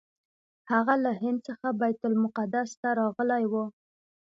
هغه له هند څخه بیت المقدس ته راغلی و.